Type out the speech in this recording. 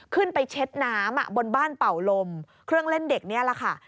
เช็ดน้ำบนบ้านเป่าลมเครื่องเล่นเด็กนี่แหละค่ะ